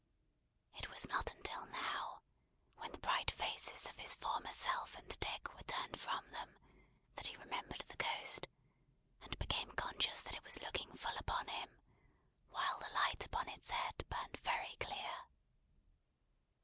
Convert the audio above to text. It was not until now, when the bright faces of his former self and Dick were turned from them, that he remembered the Ghost, and became conscious that it was looking full upon him, while the light upon its head burnt very clear.